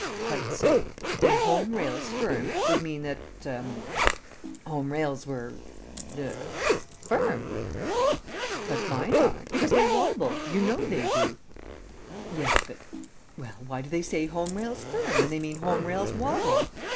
"Quite so. Then 'Home Rails Firm' would mean that er home rails were er firm." "But mine aren't, because they wobble. You know they do." "Yes, but " "Well, why do they say 'Home Rails Firm' when they mean 'Home Rails Wobble'?"